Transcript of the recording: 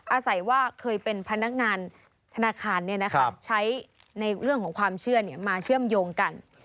อาศัยว่าเคยเป็นพนักงานธนาคารใช้ในเรื่องของความเชื่อมาเชื่อมโยงกัน